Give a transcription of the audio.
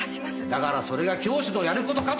だからそれが教師のやる事かと。